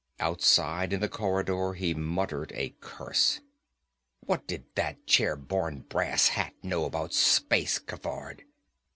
Outside, in the corridor, he muttered a curse. What did that chairborne brass hat know about space cafard?